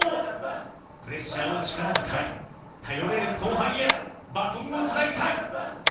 プレッシャーを力に変え頼れる後輩へバトンをつなぎたい。